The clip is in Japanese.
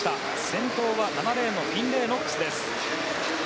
先頭は７レーンのフィンレイ・ノックス。